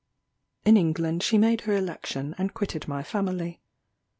In England she made her election, and quitted my family.